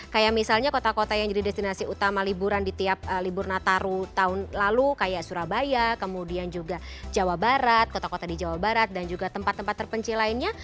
kayak misalnya kota kota yang jadi destinasi utama liburan di tiap libur nataru tahun lalu kayak surabaya kemudian juga jawa barat kota kota di jawa barat dan juga tempat tempat terpencil lainnya